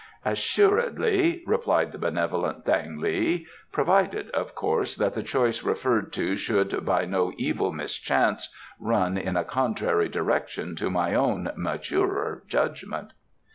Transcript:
"Assuredly," replied the benevolent Thang li. "Provided, of course, that the choice referred to should by no evil mischance run in a contrary direction to my own maturer judgment."